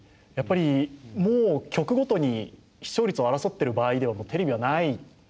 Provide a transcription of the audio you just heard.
やっぱりもう局ごとに視聴率を争ってる場合ではもうテレビはない。